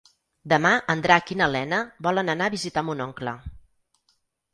Demà en Drac i na Lena volen anar a visitar mon oncle.